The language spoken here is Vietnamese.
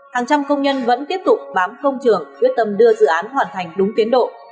hàng trăm công nhân vẫn tiếp tục bám công trường quyết tâm đưa dự án hoàn thành đúng tiến độ